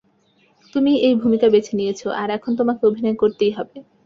তুমিই এই ভূমিকা বেছে নিয়েছো, আর এখন তোমাকে অভিনয় করতেই হবে।